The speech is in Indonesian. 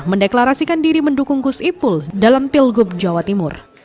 mendeklarasikan diri mendukung kusipul dalam pilgub jawa timur